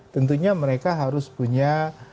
tentunya mereka harus punya